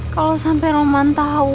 kalau sampe roman tau